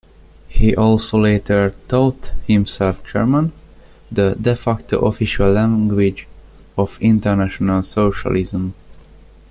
He also later taught himself German, the "de facto" official language of international socialism.